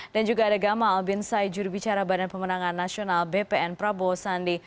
dan juga ada gamal bin syed jurubicara badan pemenangan nasional bpn prabowo sandi